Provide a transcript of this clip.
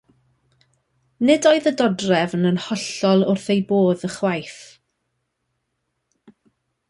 Nid oedd y dodrefn yn hollol wrth ei bodd ychwaith.